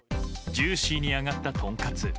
ジューシーに揚がったトンカツ。